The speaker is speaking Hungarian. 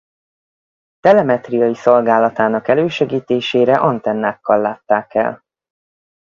Telemetriai szolgálatának elősegítésére antennákkal látták el.